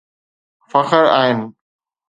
فخر آهن